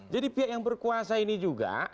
jadi pihak yang berkuasa ini juga